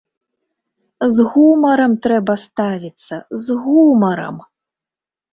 З гумарам трэба ставіцца, з гумарам!